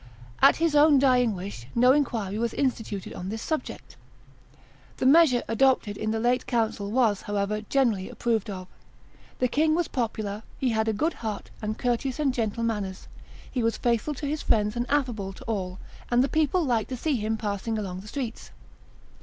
At his own dying wish, no inquiry was instituted on this subject. The measure adopted in the late council was, however, generally approved of. The king was popular; he had a good heart, and courteous and gentle manners; he was faithful to his friends, and affable to all; and the people liked to see him passing along the streets.